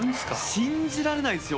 信じられないですよ